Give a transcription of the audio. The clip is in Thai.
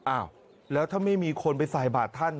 อ้าวแล้วถ้าไม่มีคนไปใส่บาทท่าน